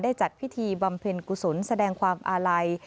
จัดพิธีบำเพ็ญกุศลแสดงความอาลัย